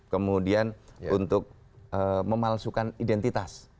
kemudian untuk memalsukan identitas